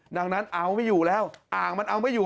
ดังนั้นเอาไม่อยู่แล้วอ่างมันเอาไม่อยู่